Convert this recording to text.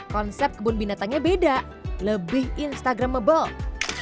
konsep kebun binatangnya beda lebih instagramable